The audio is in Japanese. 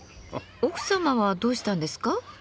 奥様はどうしたんですか？